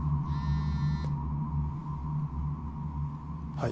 はい。